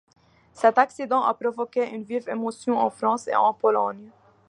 Cet accident a provoqué une vive émotion en France et en Pologne.